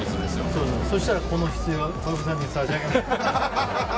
そしたら、このヒスイは小籔さんに差し上げます。